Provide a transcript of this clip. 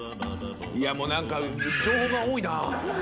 いやもう何か情報が多いな。